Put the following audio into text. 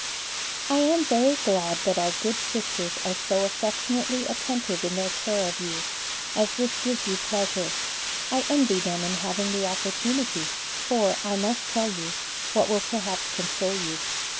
I am very glad that our good Sisters are so affectionately attentive in their care of you, as this gives you pleasure. I envy them in having the opportunity, for, I must tell you, what will perhaps console you.